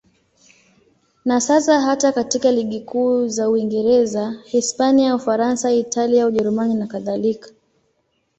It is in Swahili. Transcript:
Na sasa hata katika ligi kuu za Uingereza, Hispania, Ufaransa, Italia, Ujerumani nakadhalika.